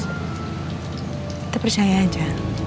kita percaya aja